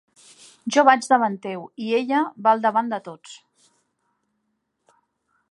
Jo vaig davant teu, i ella va al davant de tots.